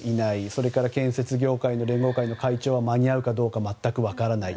それから建設業界の連合会の会長は間に合うかどうか全く分からない。